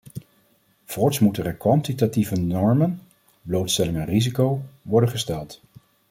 Voorts moeten er kwantitatieve normen, blootstelling aan risico, worden gesteld.